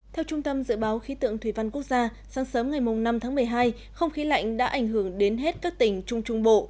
theo trung tâm dự báo khí tượng thủy văn quốc gia sáng sớm ngày năm tháng một mươi hai không khí lạnh đã ảnh hưởng đến hết các tỉnh trung trung bộ